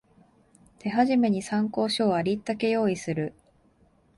手始めに参考書をありったけ用意する